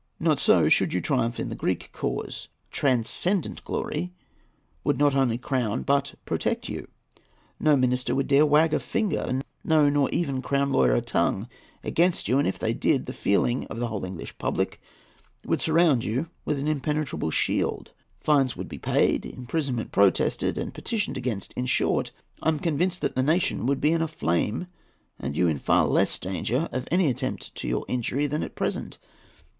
Not so, should you triumph in the Greek cause. Transcendent glory would not only crown but protect you. No minister would dare to wag a finger—no, nor even Crown lawyer a tongue—against you; and, if they did, the feeling of the whole English public would surround you with an impenetrable shield. Fines would be paid; imprisonment protested and petitioned against; in short, I am convinced the nation would be in a flame, and you in far less danger of any attempt to your injury than at present.